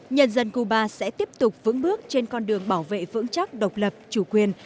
nhân dân cuba sẽ tiếp tục vững bước trên con đường bảo vệ vững chắc độc lập chủ quyền